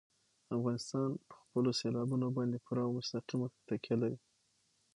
افغانستان په خپلو سیلابونو باندې پوره او مستقیمه تکیه لري.